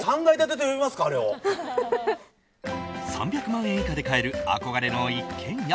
３００万円以下で買える憧れの一軒家。